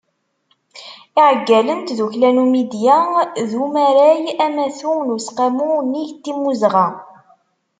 Iɛeggalen n tddukkla Numidya d umaray amatu n Useqqamu unnig n timmuzɣa.